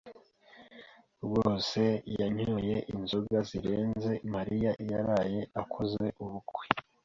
Rwose yanyoye inzoga zirenze Mariya yaraye akoze ubukwe.